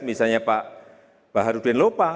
misalnya pak harudin lopa